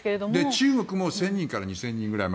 中国も１０００人から２０００人ぐらい。